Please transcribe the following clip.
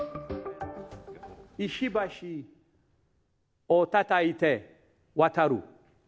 石橋をたたいて渡る。